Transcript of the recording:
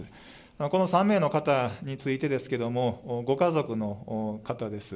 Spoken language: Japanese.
この３名の方についてですけれども、ご家族の方です。